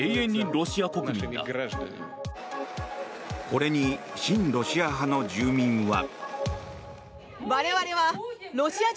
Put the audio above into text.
これに親ロシア派の住民は。